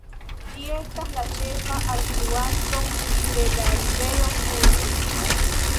Ĝi estas la ĉefa alfluanto de la rivero Sense.